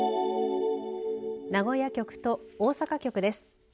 名古屋局と大阪局です。